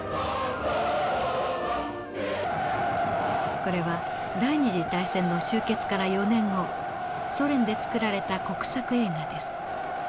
これは第二次大戦の終結から４年後ソ連で作られた国策映画です。